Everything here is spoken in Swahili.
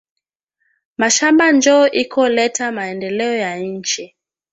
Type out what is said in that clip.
Mashamba njo iko leta maendeleo ya inchi